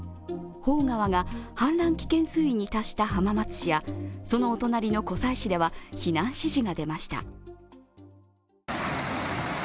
芳川が氾濫危険水位に達した浜松市やそのお隣の湖西市では避難指示が出ました。